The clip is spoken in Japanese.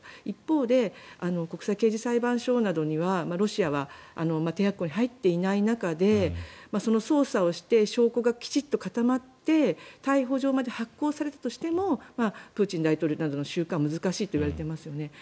一方で国際刑事裁判所などにはロシアは締約国に入っていない中でその捜査をして証拠がきちんと固まって逮捕状が発行されたとしてもプーチン大統領などの収監は難しいといわれていますよね。